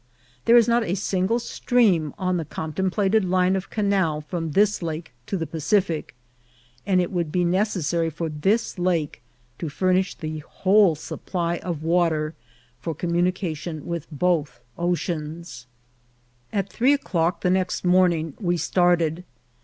There is not a single stream on the contemplated line of canal from this lake to the Pacific, and it would be necessary for this lake to furnish the whole supply of water for communication with both oceans. VOL. II.— C 18 INCIDENTS OF TRAVEL. At three o'clock the next morning we started.